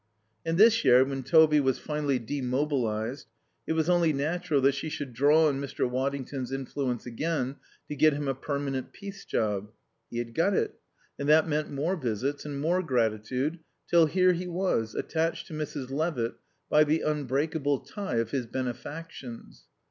And this year, when Toby was finally demobilized, it was only natural that she should draw on Mr. Waddington's influence again to get him a permanent peace job. He had got it; and that meant more visits and more gratitude; till here he was, attached to Mrs. Levitt by the unbreakable tie of his benefactions.